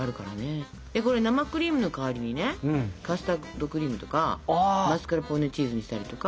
でこれ生クリームの代わりにねカスタードクリームとかマスカルポーネチーズにしたりとか。